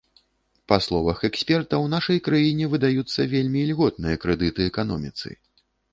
Па словах эксперта, у нашай краіне выдаюцца вельмі ільготныя крэдыты эканоміцы.